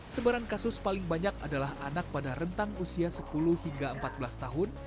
sebaran kasus paling banyak adalah anak pada rentang usia sepuluh hingga empat belas tahun